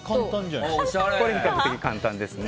これは比較的簡単ですね。